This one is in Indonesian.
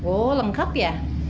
oh lengkap ya